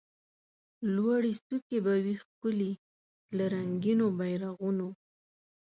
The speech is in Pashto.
لوړي څوکي به وي ښکلي له رنګینو بیرغونو